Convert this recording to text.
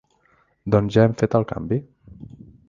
Doncs ja hem fet el canvi.